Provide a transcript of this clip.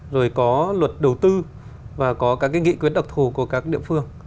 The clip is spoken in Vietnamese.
rồi có luật đầu tư và có các nghị quyết độc thù của các địa phương